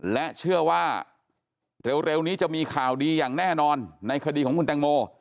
และเชื่อว่าเร็วนี้จะมีข่าวดีอย่างแน่นอนในคดีของคุณแตงโม